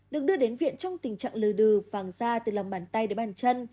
được đưa đến viện trong tình trạng lừa đừ vàng da từ lòng bàn tay đến bàn chân